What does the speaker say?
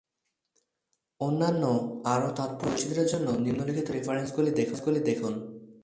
অন্যান্য, আরও তাৎপর্যপূর্ণ বৈচিত্র্যের জন্য নিম্নলিখিত রেফারেন্সগুলি দেখুন।